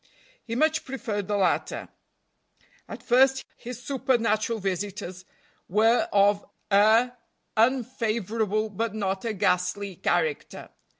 He much preferred the latter. At first, his supernatural visitors were of a unfavorable but not a ghastly character.